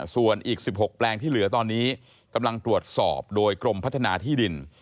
ส่วนอีก๑๖แปลงที่เหลือตอนนี้กำลังตรวจสอบโดยกรมพัฒนาที่ดิน